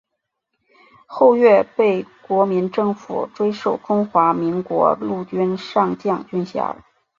后岳被国民政府追授中华民国陆军上将军衔。